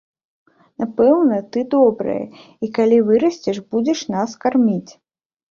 Напэўна, ты добрае, і, калі вырасцеш, будзеш нас карміць.